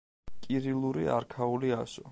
კირილური არქაული ასო.